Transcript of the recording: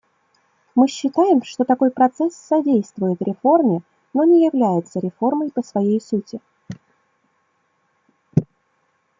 Мы считаем, что такой процесс содействует реформе, но не является реформой по своей сути.